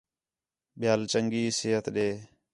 ٻِیال چَنڳی صِحت ݙے